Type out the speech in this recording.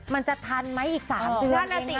มันจะทันไหมอีก๓เดือนสิ